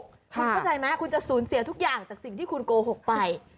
คุณเข้าใจไหมคุณจะสูญเสียทุกอย่างจากสิ่งที่คุณโกหกไป